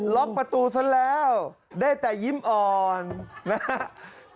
ล็อกประตูซะแล้วได้แต่ยิ้มอ่อนนะครับ